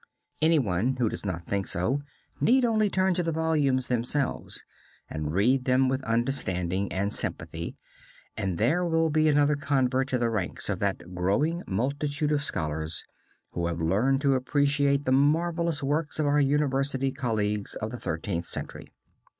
Any one who does not think so need only turn to the volumes themselves and read them with understanding and sympathy, and there will be another convert to the ranks of that growing multitude of scholars, who have learned to appreciate the marvelous works of our university colleagues of the Thirteenth Century.